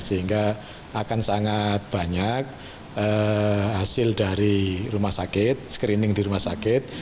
sehingga akan sangat banyak hasil dari rumah sakit screening di rumah sakit